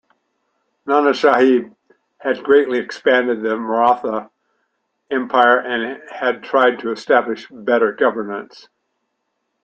Nanasaheb had greatly expanded the Maratha Empire and had tried to establish better governance.